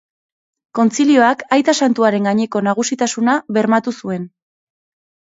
Kontzilioak aita santuaren gaineko nagusitasuna bermatu zuen.